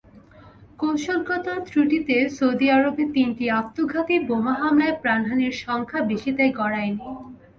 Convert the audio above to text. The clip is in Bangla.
কৌশলগত ত্রুটিতে সৌদি আরবে তিনটি আত্মঘাতী বোমা হামলায় প্রাণহানির সংখ্যা বেশিতে গড়ায়নি।